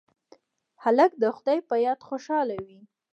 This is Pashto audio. هلک د خدای په یاد خوشحاله وي.